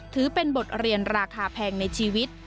ถือเป็นบทเรียนราคาแพงในชีวิต